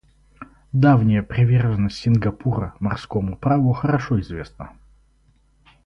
Давняя приверженность Сингапура морскому праву хорошо известна.